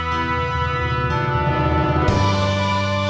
แปลกทาง